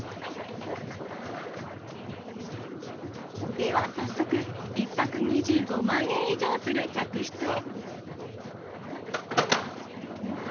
では、早速１泊２５万円以上する客室へ。